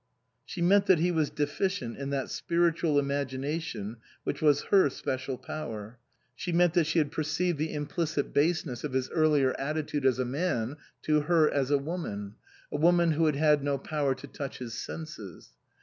She meant that he was deficient in that spiritual imagination which was her special power ; she meant that she had perceived the 176 OUTWARD BOUND implicit baseness of his earlier attitude as a man to her as a woman, a woman who had had no power to touch his senses.